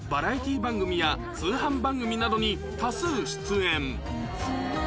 番組や通販番組などに多数出演